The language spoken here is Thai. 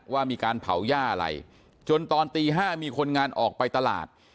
ว่ามีการเผาหญ้าอะไรจนตอนตี๕มีคนงานออกไปตลาด